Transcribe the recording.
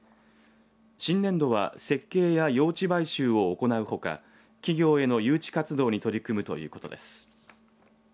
新年度は設計や用地買収を行うほか企業への誘致活動に取り組むということです。